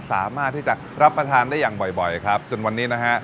สามารถที่จะรับประทานได้อย่างบ่อยบ่อยครับจนวันนี้นะฮะ